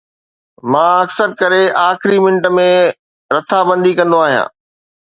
مان اڪثر ڪري آخري منٽ ۾ رٿابندي ڪندو آهيان